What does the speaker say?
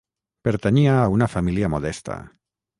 Pertanyia a una família modesta.